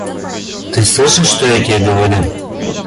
Ты слышишь, что я тебе говорю?